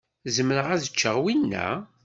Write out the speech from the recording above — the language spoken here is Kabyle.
Zemreɣ ad ččeɣ winna?